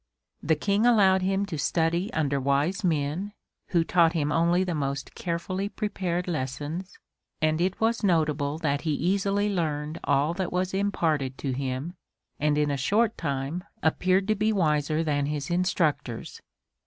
The King allowed him to study under wise men (who taught him only the most carefully prepared lessons), and it was notable that he easily learned all that was imparted to him and in a short time appeared to be wiser than his instructors.